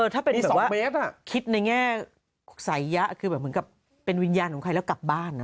ถ้าเป็น๒เมตรคิดในแง่สายยะคือแบบเหมือนกับเป็นวิญญาณของใครแล้วกลับบ้านนะ